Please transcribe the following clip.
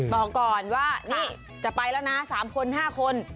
บอกก่อนว่านี่จะไปแล้วนะ๓คน๕คน